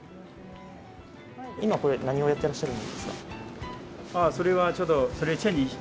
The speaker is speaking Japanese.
今、これ何をやってらっしゃるんですか。